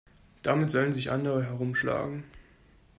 Damit sollen sich andere herumschlagen.